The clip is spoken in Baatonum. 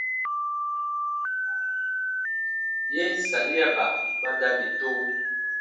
Yen sariaba ba dabi to.